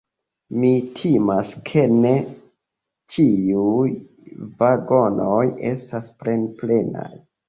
Mi timas ke ne; ĉiuj vagonoj estas plenplenaj.